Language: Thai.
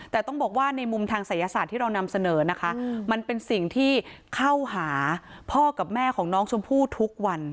แต่ต้องบอกว่าในมุมทางศัยศาสตร์ที่เรานำเสนอนะคะมันเป็นสิ่งที่เข้าหาพ่อกับแม่ของน้องชมพู่ทุกวัน